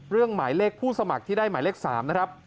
หมายเลขผู้สมัครที่ได้หมายเลข๓นะครับ